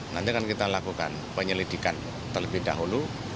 nanti akan kita lakukan penyelidikan terlebih dahulu